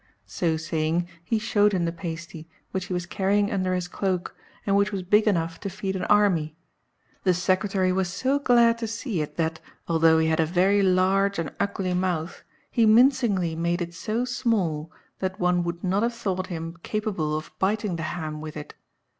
So saying, he showed him the pasty, which he was carrying under his cloak, and which was big enough to feed an army. The secretary was so glad to see it that, although he had a very large and ugly mouth, he mincingly made it so small that one would not have thought him capable of biting the ham with it.